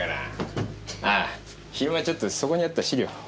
あ昼間ちょっとそこにあった資料見ちゃった。